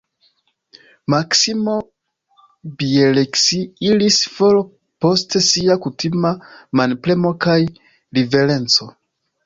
Maksimo Bjelski iris for post sia kutima manpremo kaj riverenco.